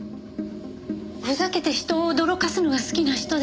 ふざけて人を驚かすのが好きな人です。